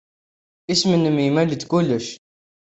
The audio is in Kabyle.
Isem-nnem yemmal-d kullec.